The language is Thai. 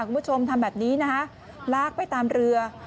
คุณผู้ชมทำแบบนี้นะคะลากไปตามเรือ